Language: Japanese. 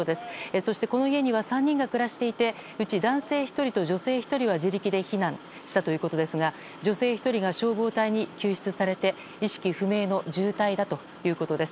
そして、この家には３人が暮らしていてうち男性１人と女性１人は自力で避難したということですが女性１人が消防隊に救出されて意識不明の重体だということです。